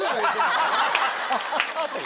ハハハ！とか。